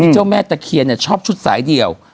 เจ้าแม่ตะเคียนชอบชุดสายเดี่ยว